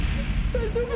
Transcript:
大丈夫？